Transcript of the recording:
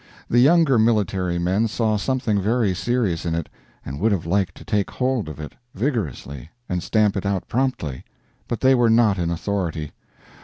The younger military men saw something very serious in it, and would have liked to take hold of it vigorously and stamp it out promptly; but they were not in authority.